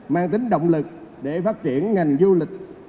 mang tính động lực để phát triển ngành du lịch